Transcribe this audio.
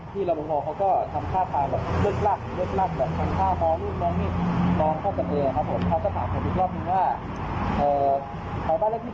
บ้านล้างนะไม่มีคนอยู่มานานแล้ว